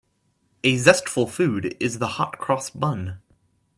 A zestful food is the hot-cross bun.